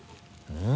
うん？